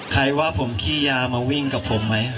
ใครว่าผมขี้ยามาวิ่งกับผมไหม